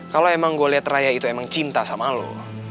kalau emang gue lihat raya itu emang cinta sama lo